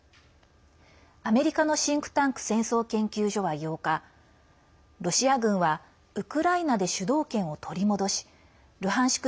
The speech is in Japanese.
アメリカのシンクタンク戦争研究所は８日ロシア軍はウクライナで主導権を取り戻しルハンシク